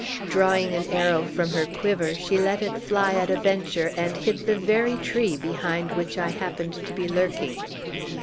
Drawing an arrow from her quiver, she let it fly at a venture, and hit the very tree behind which I happened to be lurking.